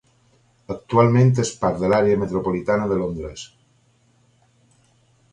Actualment és part de l'àrea metropolitana de Londres.